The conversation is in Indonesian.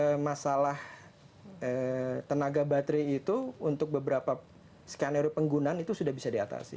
nah masalah tenaga baterai itu untuk beberapa skenario penggunaan itu sudah bisa diatasi